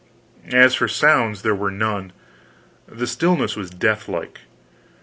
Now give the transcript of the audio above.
As for sounds, there were none. The stillness was deathlike.